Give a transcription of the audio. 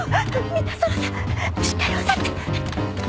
三田園さんしっかり押さえて！